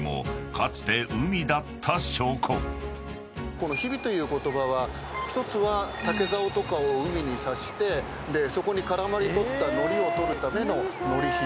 この「ひび」という言葉は１つは竹ざおとかを海に刺してそこに絡まった海苔を取るための海苔ひび。